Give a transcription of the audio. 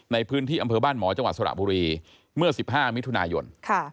ในพื้นที่อำเภอบ้านหมอจังหวัดสระบุรีเมื่อ๑๕มิถุนายน